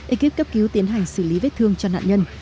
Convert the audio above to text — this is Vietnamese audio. ekip cấp cứu tiến hành xử lý vết thương cho nạn nhân